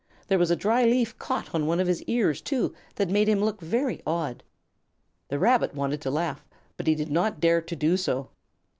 There was a dry leaf caught on one of his ears, too, that made him look very odd. The Rabbit wanted to laugh, but he did not dare to do so.